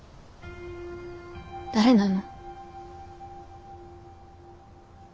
誰なの？